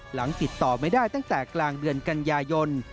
หลังติดต่อไม่ได้ตั้งแต่กลางเดือนกันยายน